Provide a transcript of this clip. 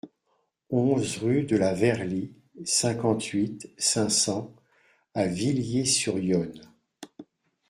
onze rue de la Verly, cinquante-huit, cinq cents à Villiers-sur-Yonne